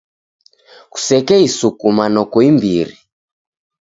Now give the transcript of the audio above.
Kusekeisukuma noko imbiri.